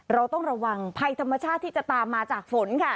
เราต้องระวังภัยธรรมชาติที่จะตามมาจากฝนค่ะ